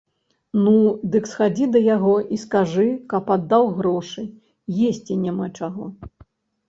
Ну, дык схадзі да яго і скажы, каб аддаў грошы, есці няма чаго.